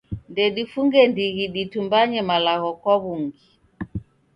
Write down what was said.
Ndedifunge ndighi ditumbanye malagho kwa w'ungi.